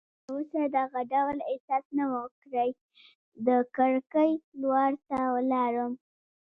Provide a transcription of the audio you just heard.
ما تراوسه دغه ډول احساس نه و کړی، د کړکۍ لور ته ولاړم.